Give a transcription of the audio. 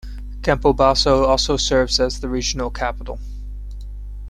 Campobasso also serves as the regional capital.